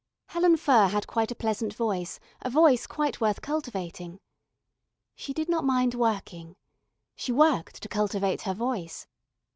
Helen Furr had quite a pleasant voice a voice quite worth cultivating. She did not mind working. She worked to cultivate her voice.